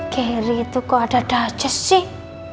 gerry itu kok ada dajah sih